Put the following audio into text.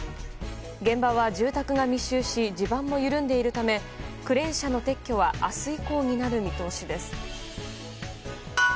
現場は住宅が密集し地盤も緩んでいるためクレーン車の撤去は明日以降になる見通しです。